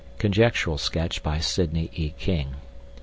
(Conjectural sketch by Sidney E. King.)